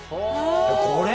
これ！？